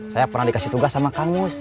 saya pernah dikasih tugas sama kang mus